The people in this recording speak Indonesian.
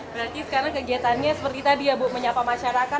berarti sekarang kegiatannya seperti tadi ya bu menyapa masyarakat